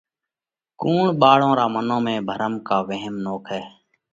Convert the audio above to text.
ڪُوڻ ٻاۯون رون منَون ۾ ڀرم ڪا وهم نوکئه؟